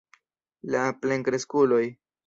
La plenkreskuloj.